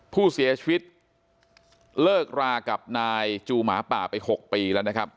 ผู้เสียชีวิตเลิกรากับนายจูหมาป่าไป๖ปีแล้วนะครับ